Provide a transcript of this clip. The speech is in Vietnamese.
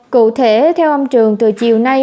cụ thể theo ông trường từ chiều nay